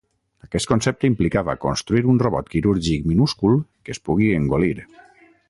Aquest concepte implicava construir un robot quirúrgic minúscul que es pugui engolir.